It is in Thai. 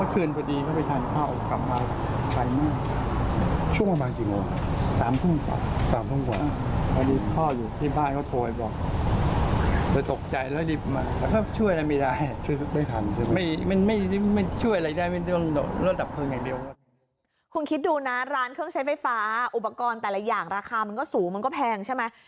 คุณคิดดูนะร้านเครื่องใช้ไฟฟ้าอุปกรณ์แต่ละอย่างราคามันก็สูงมันก็แพงใช่ไหม